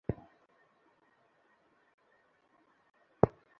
চেন্নাইয়ের সবখানে এই গ্যাস আজ রাতের মধ্যেই আমাদের ছড়িয়ে দিতে হবে।